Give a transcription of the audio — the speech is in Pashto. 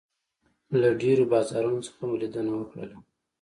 له ډېرو بازارونو څخه مو لیدنه وکړله.